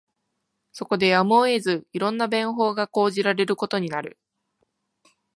そこでやむを得ず、色んな便法が講じられることになる